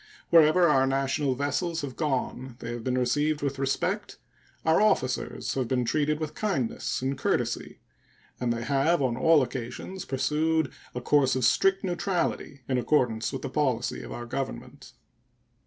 Wherever our national vessels have gone they have been received with respect, our officers have been treated with kindness and courtesy, and they have on all occasions pursued a course of strict neutrality, in accordance with the policy of our Government.